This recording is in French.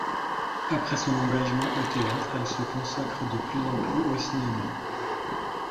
Après son engagement au théâtre, elle se consacre de plus en plus au cinéma.